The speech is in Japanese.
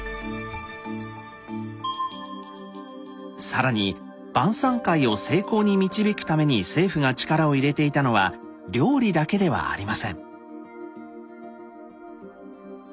更に晩さん会を成功に導くために政府が力を入れていたのは料理だけではありません。